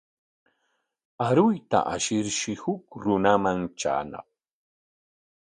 Aruyta ashirshi huk runaman traañaq.